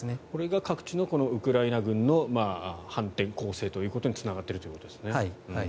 これが各地のウクライナ軍の反転攻勢ということにつながっているということですね